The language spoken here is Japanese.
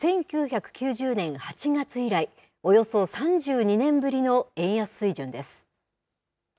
１９９０年８月以来、およそ３２年ぶりの円安水準です。